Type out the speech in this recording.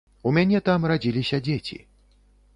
У мяне там радзіліся дзеці.